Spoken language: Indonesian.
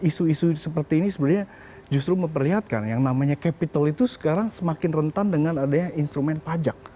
isu isu seperti ini sebenarnya justru memperlihatkan yang namanya capital itu sekarang semakin rentan dengan adanya instrumen pajak